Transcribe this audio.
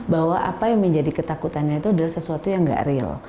bahwa apa yang menjadi ketakutannya itu adalah sesuatu yang gak real